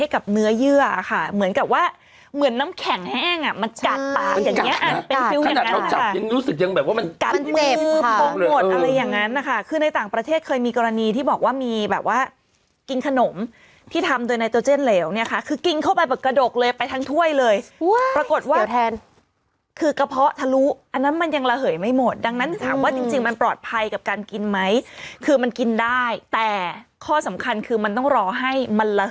คือพร้อมหมดอะไรอย่างนั้นนะคะคือในต่างประเทศเคยมีกรณีที่บอกว่ามีแบบว่ากินขนมที่ทำโดยในตัวเจ่นเหลวเนี่ยค่ะคือกินเข้าไปแบบกระดกเลยไปทั้งถ้วยเลยปรากฏว่าคือกระเพาะทะลุอันนั้นมันยังระเหยไม่หมดดังนั้นถามว่าจริงมันปลอดภัยกับการกินไหมคือมันกินได้แต่ข้อสำคัญคือมันต้องรอให้มัน